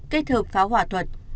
kết hợp pháo hỏa thuốc